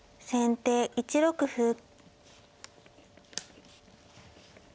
先手３六歩。